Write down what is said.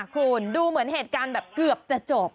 คุณดูเหมือนเหตุการณ์แบบเกือบจะจบ